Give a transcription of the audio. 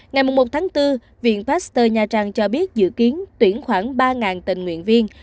ngày một tháng bốn viện pasteur nha trang cho biết dự kiến tuyển khoảng ba tình nguyện viên